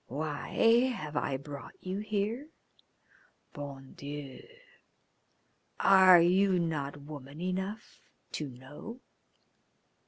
"Why have I brought you here? Bon Dieu! Are you not woman enough to know?"